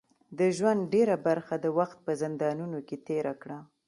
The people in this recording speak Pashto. د ژوند ډیره برخه د وخت په زندانونو کې تېره کړه.